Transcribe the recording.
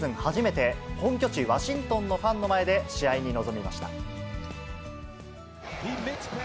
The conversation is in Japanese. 初めて、本拠地、ワシントンのファンの前で、試合に臨みました。